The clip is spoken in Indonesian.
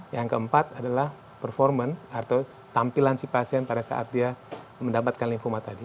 yang keempat adalah performance atau tampilan si pasien pada saat dia mendapatkan lymphoma tadi